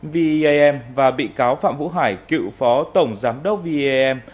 v e a m và bị cáo phạm vũ hải cựu phó tổng giám đốc v e a m